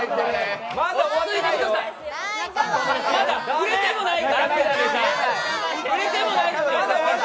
まだ触れてもないから。